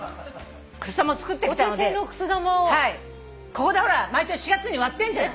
ここでほら毎年４月に割ってんじゃない。